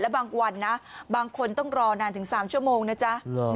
บางวันนะบางคนต้องรอนานถึง๓ชั่วโมงนะจ๊ะ